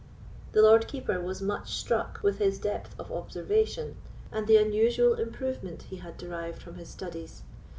The Lord Keeper was much struck with his depth of observation, and the unusual improvement which he had derived from his studies.